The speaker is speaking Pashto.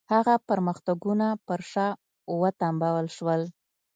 هغه پرمختګونه پر شا وتمبول شول.